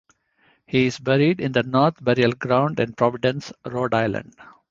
He is buried in the North Burial Ground in Providence, Rhode Island.